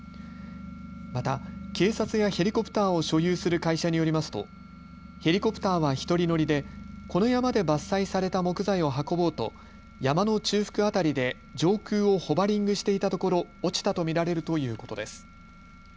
また警察やヘリコプターを所有する会社によりますとヘリコプターは１人乗りでこの山で伐採された木材を運ぼうと山の中腹辺りで上空をホバリングしていたところ落ちたと見られるということです。